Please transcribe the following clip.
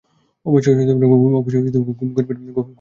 অবশ্য খুব গরীবেরাই কুকুর-বেড়াল খায়।